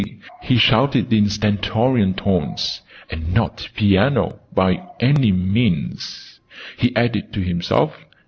he shouted in stentorian tones. "And not piano, by any means!" he added to himself.